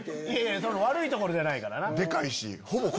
悪いところじゃないからな。